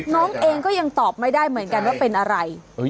น้องเองก็ยังตอบไม่ได้เหมือนกันว่าเป็นอะไร